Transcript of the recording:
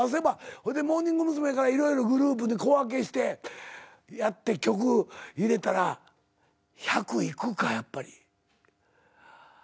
ほいでモーニング娘。から色々グループに小分けしてやって曲入れたら１００いくかやっぱり。